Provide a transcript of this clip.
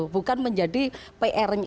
bukan menjadi pr nya